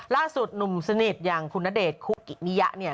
ล่าสุดหนุ่มสนิทอย่างคุณณเดชน์คุกิมิยะเนี่ย